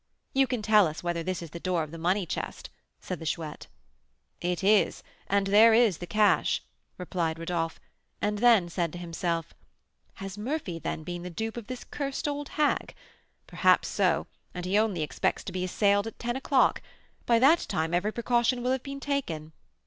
"You can tell us whether this is the door of the money chest," said the Chouette. "It is, and there is the cash," replied Rodolph; and then said to himself, "Has Murphy, then, been the dupe of this cursed old hag? Perhaps so, and he only expects to be assailed at ten o'clock; by that time every precaution will have been taken."